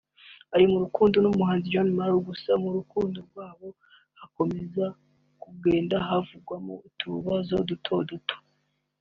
ari mu rukundo n’umuhanzi John Mayor gusa mu rukundo rwabo hakomeza kugenda havukamo utubazo duto duto